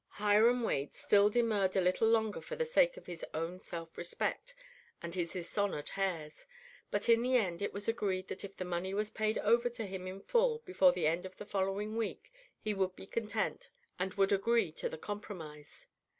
Hiram Wade still demurred a little longer for the sake of his own self respect and his dishonoured hairs, but in the end it was agreed that if the money was paid over to him in full before the end of the following week he would be content and would agree to the compromise.